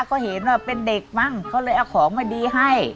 ก็เห็นว่าเป็นเด็กมั้งเขาเลยเอาของมาดีให้